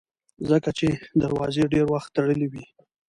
ځکه چې دروازې یې ډېر وخت تړلې وي.